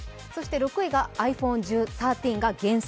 ６位がｉＰｈｏｎｅ１３、減産。